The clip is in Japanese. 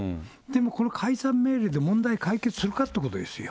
でもこの解散命令で問題解決するかってことですよ。